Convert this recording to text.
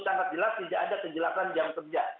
sangat jelas tidak ada kejelasan jam kerja